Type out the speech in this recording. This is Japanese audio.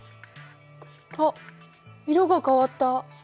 あっ色が変わった。